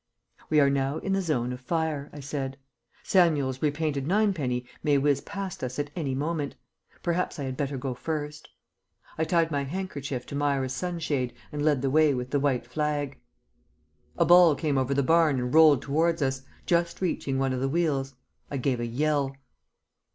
"We are now in the zone of fire," I said. "Samuel's repainted ninepenny may whiz past us at any moment. Perhaps I had better go first." I tied my handkerchief to Myra's sunshade and led the way with the white flag. A ball came over the barn and rolled towards us, just reaching one of the wheels. I gave a yell.